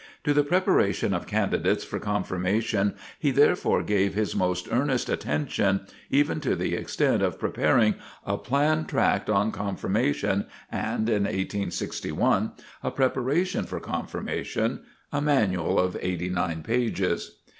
To the preparation of candidates for Confirmation he therefore gave his most earnest attention, even to the extent of preparing "A Plain Tract on Confirmation," and (in 1861), "A Preparation for Confirmation," a manual of eighty nine pages.